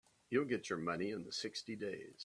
You'll get your money in sixty days.